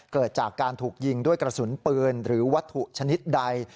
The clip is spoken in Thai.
เกิดจากการถูกยิงด้วยกระสุนปืนหรือวัตถุชนิดใด